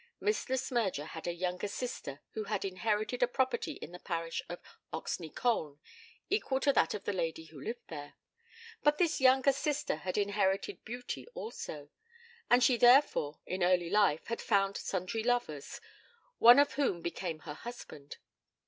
Miss Le Smyrger had a younger sister who had inherited a property in the parish of Oxney Colne equal to that of the lady who lived there; but this younger sister had inherited beauty also, and she therefore, in early life, had found sundry lovers, one of whom became her husband.